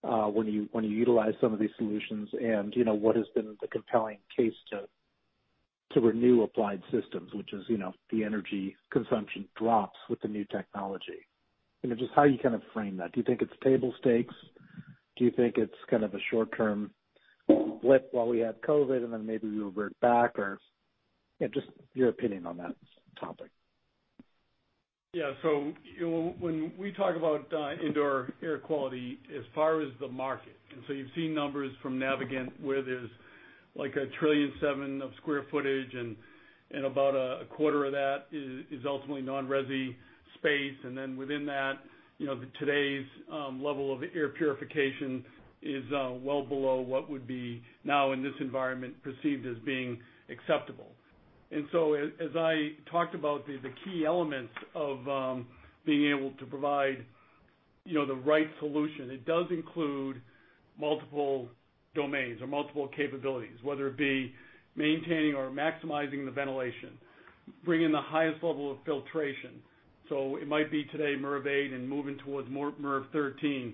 S10: when you utilize some of these solutions and what has been the compelling case to renew applied systems, which is, the energy consumption drops with the new technology. Just how you kind of frame that. Do you think it's table stakes? Do you think it's kind of a short term blip while we had COVID-19, and then maybe we revert back or, yeah, just your opinion on that topic.
S3: Yeah. When we talk about indoor air quality as far as the market, you've seen numbers from Navigant where there's like a trillion seven of square footage, and about a quarter of that is ultimately non-resi space. Within that, today's level of air purification is well below what would be now in this environment perceived as being acceptable. As I talked about the key elements of being able to provide the right solution, it does include multiple domains or multiple capabilities, whether it be maintaining or maximizing the ventilation, bringing the highest level of filtration. It might be today MERV 8 and moving towards MERV 13.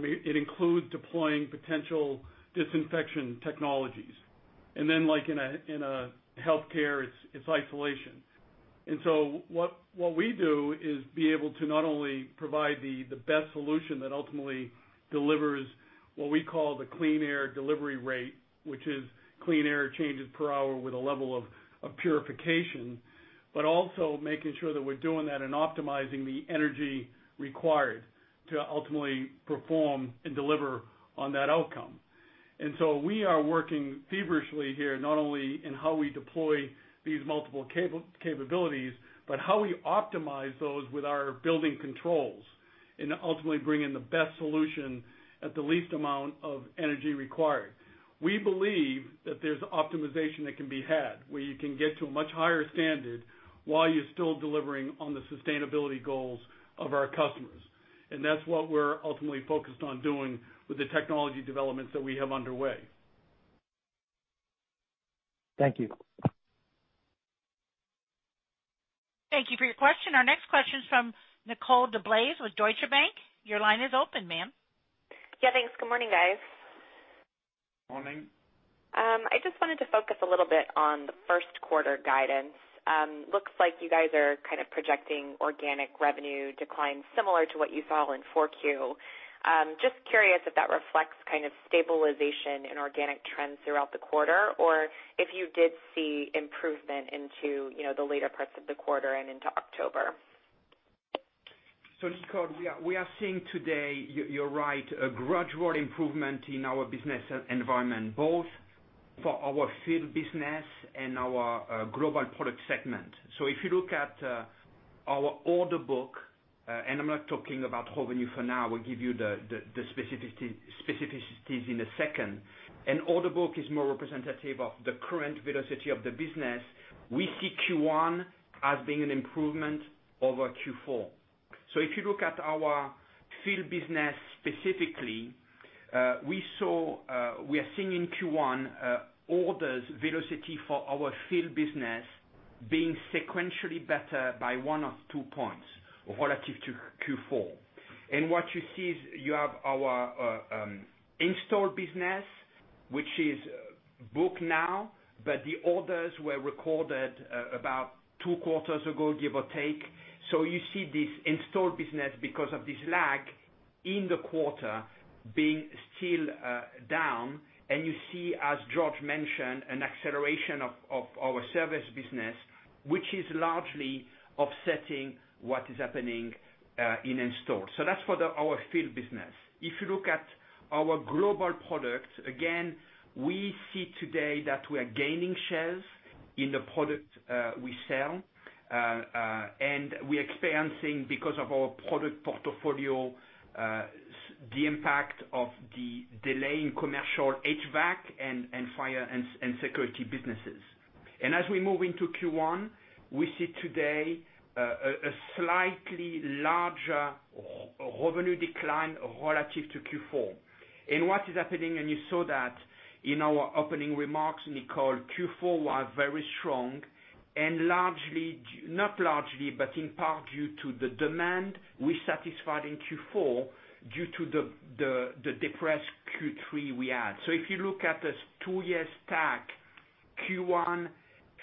S3: It includes deploying potential disinfection technologies. Then, like in a healthcare, it's isolation. What we do is be able to not only provide the best solution that ultimately delivers what we call the clean air delivery rate, which is clean air changes per hour with a level of purification, but also making sure that we're doing that and optimizing the energy required to ultimately perform and deliver on that outcome. We are working feverishly here, not only in how we deploy these multiple capabilities, but how we optimize those with our building controls and ultimately bring in the best solution at the least amount of energy required. We believe that there's optimization that can be had, where you can get to a much higher standard while you're still delivering on the sustainability goals of our customers. That's what we're ultimately focused on doing with the technology developments that we have underway.
S10: Thank you.
S1: Thank you for your question. Our next question is from Nicole DeBlase with Deutsche Bank. Your line is open, ma'am.
S11: Yeah, thanks. Good morning, guys.
S5: Morning.
S11: I just wanted to focus a little bit on the first quarter guidance. Looks like you guys are kind of projecting organic revenue decline similar to what you saw in four Q. Just curious if that reflects kind of stabilization in organic trends throughout the quarter, or if you did see improvement into the later parts of the quarter and into October.
S5: Nicole, we are seeing today, you're right, a gradual improvement in our business environment, both for our field business and our Global Products segment. If you look at our order book, I'm not talking about revenue for now, we'll give you the specificities in a second. An order book is more representative of the current velocity of the business. We see Q1 as being an improvement over Q4. If you look at our field business specifically, we are seeing in Q1, orders velocity for our field business being sequentially better by one or two points relative to Q4. What you see is you have our installed business, which is booked now, but the orders were recorded about two quarters ago, give or take. You see this installed business because of this lag in the quarter being still down. You see, as George mentioned, an acceleration of our service business, which is largely offsetting what is happening in orders. That's for our field business. If you look at our global product, again, we see today that we are gaining shares in the product we sell, and we're experiencing, because of our product portfolio, the impact of the delay in commercial HVAC and fire and security businesses. As we move into Q1, we see today a slightly larger revenue decline relative to Q4. What is happening, and you saw that in our opening remarks, Nicole, Q4 was very strong and not largely, but in part due to the demand we satisfied in Q4 due to the depressed Q3 we had. If you look at this two-year stack, Q1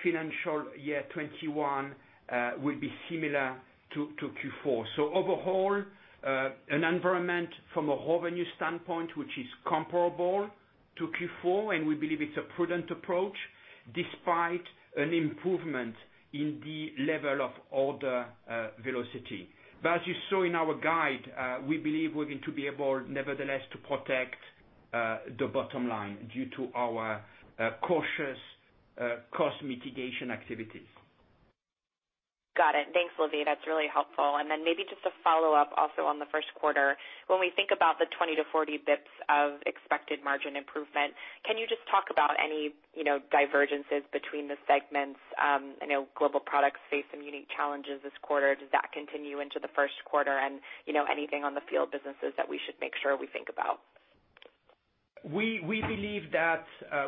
S5: financial year 2021 will be similar to Q4. Overall, an environment from a revenue standpoint, which is comparable to Q4, and we believe it's a prudent approach despite an improvement in the level of order velocity. As you saw in our guide, we believe we're going to be able, nevertheless, to protect the bottom line due to our cautious cost mitigation activities.
S11: Got it. Thanks, Olivier. That's really helpful. Then maybe just a follow-up also on the first quarter. When we think about the 20-40 basis points of expected margin improvement, can you just talk about any divergences between the segments? I know Global Products face some unique challenges this quarter. Does that continue into the first quarter? Anything on the field businesses that we should make sure we think about.
S5: We believe that,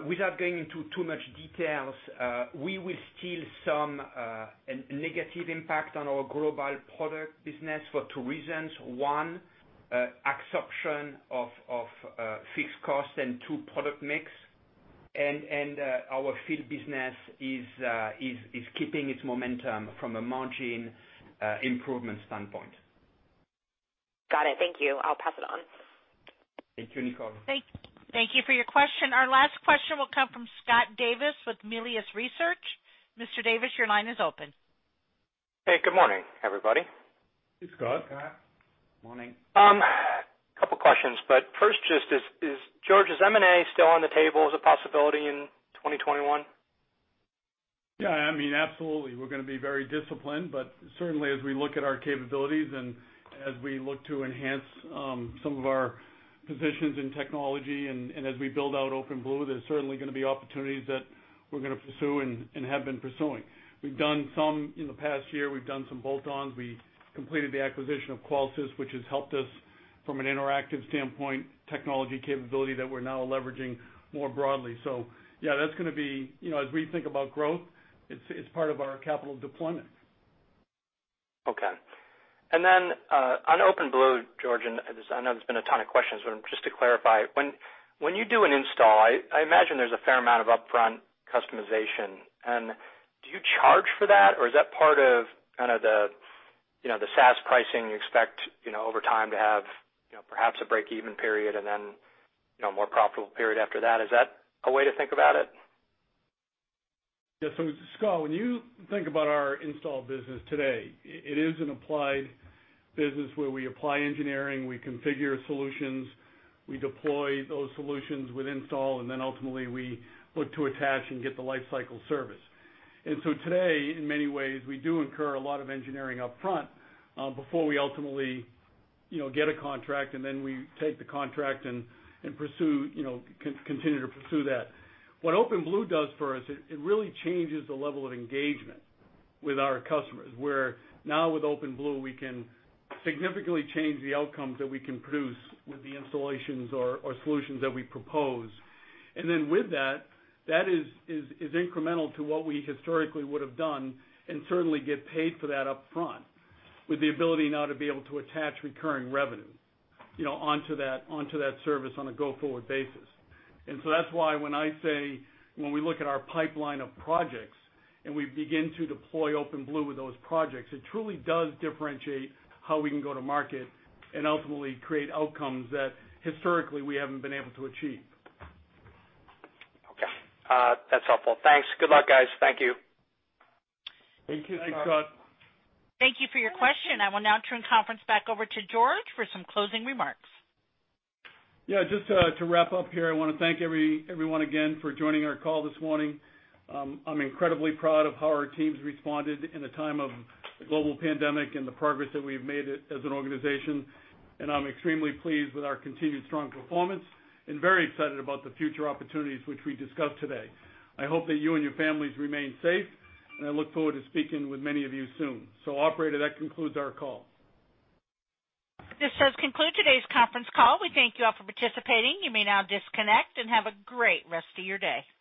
S5: without going into too much details, we will see some negative impact on our global product business for two reasons. One, absorption of fixed cost and two, product mix. Our field business is keeping its momentum from a margin improvement standpoint.
S11: Got it. Thank you. I'll pass it on.
S5: Thank you, Nicole.
S1: Thank you for your question. Our last question will come from Scott Davis with Melius Research. Mr. Davis, your line is open.
S12: Hey, good morning, everybody.
S5: Hey, Scott.
S3: Hi. Morning.
S12: Couple questions, first, is George's M&A still on the table as a possibility in 2021?
S3: Yeah, absolutely. We're going to be very disciplined, but certainly as we look at our capabilities and as we look to enhance some of our positions in technology and as we build out OpenBlue, there's certainly going to be opportunities that we're going to pursue and have been pursuing. We've done some in the past year. We've done some bolt-ons. We completed the acquisition of Qolsys, which has helped us from an interactive standpoint, technology capability that we're now leveraging more broadly. Yeah, as we think about growth, it's part of our capital deployment.
S12: Okay. On OpenBlue, George, I know there's been a ton of questions, just to clarify, when you do an install, I imagine there's a fair amount of upfront customization. Do you charge for that? Is that part of the SaaS pricing you expect, over time to have perhaps a break-even period and then more profitable period after that? Is that a way to think about it?
S3: Scott, when you think about our install business today, it is an applied business where we apply engineering, we configure solutions, we deploy those solutions with install, and then ultimately we look to attach and get the life cycle service. Today, in many ways, we do incur a lot of engineering upfront, before we ultimately get a contract, and then we take the contract and continue to pursue that. What OpenBlue does for us, it really changes the level of engagement with our customers, where now with OpenBlue, we can significantly change the outcomes that we can produce with the installations or solutions that we propose. With that is incremental to what we historically would have done, and certainly get paid for that upfront with the ability now to be able to attach recurring revenue onto that service on a go-forward basis. That's why when I say, when we look at our pipeline of projects and we begin to deploy OpenBlue with those projects, it truly does differentiate how we can go to market and ultimately create outcomes that historically we haven't been able to achieve.
S12: Okay. That's helpful. Thanks. Good luck, guys. Thank you.
S3: Thank you, Scott.
S2: Thanks, Scott.
S1: Thank you for your question. I will now turn the conference back over to George for some closing remarks.
S3: Yeah, just to wrap up here, I want to thank everyone again for joining our call this morning. I'm incredibly proud of how our teams responded in a time of a global pandemic and the progress that we've made as an organization. I'm extremely pleased with our continued strong performance and very excited about the future opportunities which we discussed today. I hope that you and your families remain safe, and I look forward to speaking with many of you soon. Operator, that concludes our call.
S1: This does conclude today's conference call. We thank you all for participating. You may now disconnect and have a great rest of your day.